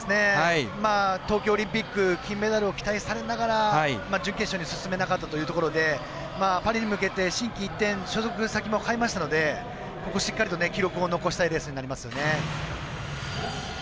東京オリンピック金メダルを期待されながら準決勝に進めなかったというところでパリに向けて心機一転所属先も変えましたのでここで、しっかり記録を残したいレースになりますよね。